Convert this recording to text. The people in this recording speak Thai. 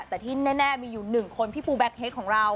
แต่ที่แน่มีอยู่๑คนพี่ปูแบ็คเฮดของเรา